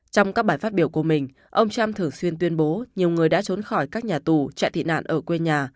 trong các bài phát biểu của mình ông trump thường xuyên tuyên bố nhiều người đã trốn khỏi các nhà tù chạy tị nạn ở quê nhà